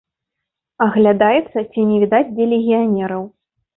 Аглядаецца, ці не відаць дзе легіянераў.